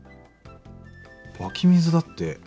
湧き水だって。